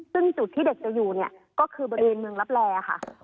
ซึ่งจุดที่เด็กจะอยู่เนี่ยก็คือบริเวณเมืองลับแลค่ะ